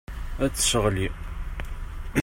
Ad t-tesseɣli.